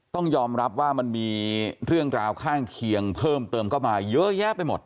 ต้องยอมรับว่ามันมีเรื่องราวข้างเคียงเพิ่มเติมเข้ามาเยอะแยะไปหมด